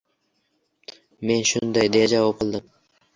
Men shunday, deya javob qildim.